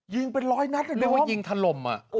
ยิงเป็นร้อยนัดเรียกว่ายิงถล่ม